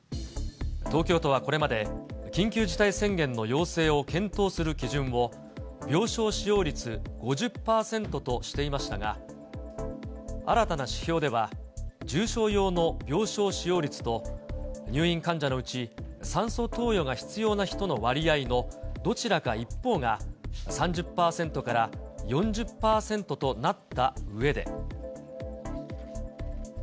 東京都はこれまで、緊急事態宣言の要請を検討する基準を、病床使用率５０％としていましたが、新たな指標では、重症用の病床使用率と、入院患者のうち酸素投与が必要な人の割合のどちらか一方が、３０％から４０％となったうえで。